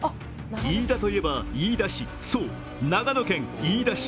飯田といえば飯田市、そう、長野県飯田市。